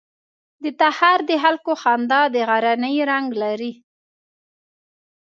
د تخار د خلکو خندا د غرنی رنګ لري.